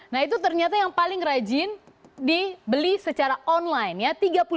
nah itu ternyata yang paling rajin dibeli secara online ya